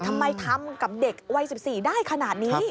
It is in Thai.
ทำไมทำกับเด็กวัย๑๔ได้ขนาดนี้